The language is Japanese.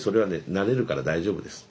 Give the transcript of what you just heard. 慣れるから大丈夫です。